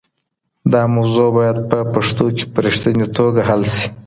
دا موضوع باید په پښتو کي په رښتیني توګه حل سي.